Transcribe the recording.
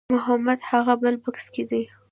محمد هغه بل بس کې دی.